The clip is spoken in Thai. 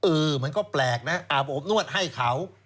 มันก็แปลกนะอาบอบนวดให้เขา